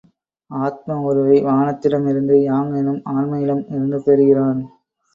ஆத்ம உருவை, வானத்திடம் இருந்து, யாங் எனும் ஆண்மையிடம் இருந்து பெறுகிறான்!